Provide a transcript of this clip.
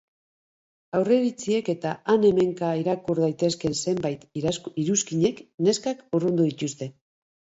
Aurreiritziek eta han-hemenka irakur daitezkeen zenbait iruzkinek neskak urrundu dituzte.